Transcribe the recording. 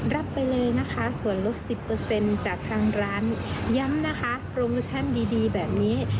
รับไปเลยนะคะส่วนลด๑๐จากทางร้านย้ำนะคะโปรโมชั่นดีแบบนี้